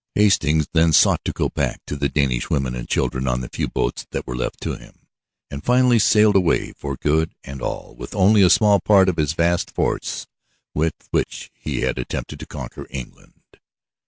Hastings then sought to go back to the Danish women and children on the few boats that were left to him, and finally sailed away for good and all with only a small part of the vast force with which he had attempted to conquer England.